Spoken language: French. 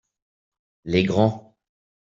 Les grands.